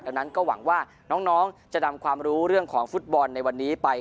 ดังนั้นก็หวังว่าน้องจะนำความรู้เรื่องของฟุตบอลในวันนี้ไป